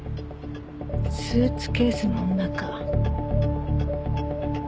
スーツケースの女か。